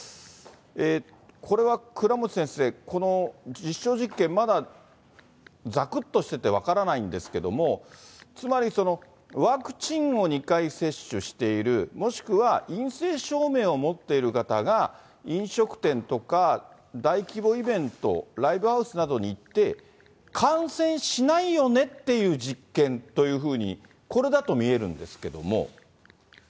これは倉持先生、この実証実験、まだざくっとしてて分からないんですけれども、つまりワクチンを２回接種している、もしくは陰性証明を持っている方が、飲食店とか大規模イベント、ライブハウスなどに行って、感染しないよねっていう実験というふうにこれだと見えるんですけども。